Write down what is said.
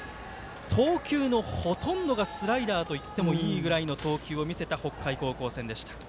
投球のほとんどがスライダーといってもいいぐらいの投球を見せた北海高校戦でした。